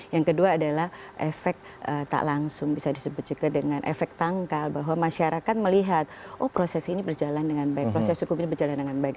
yang kedua adalah efek tak langsung bisa disebut juga dengan efek tangkal bahwa masyarakat melihat oh proses ini berjalan dengan baik proses hukum ini berjalan dengan baik